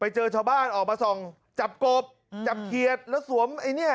เจอชาวบ้านออกมาส่องจับกบจับเขียดแล้วสวมไอ้เนี้ย